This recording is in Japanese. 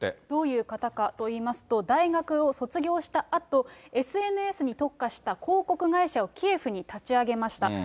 どういう方かといいますと、大学を卒業したあと、ＳＮＳに特化した広告会社をキエフに立ち上げました。